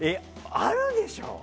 あるでしょ。